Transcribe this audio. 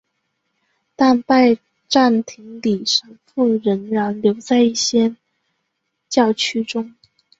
但拜占庭礼神父仍然留在一些教区中。